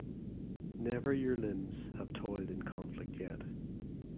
Never your limbs have toiled in conflict yet.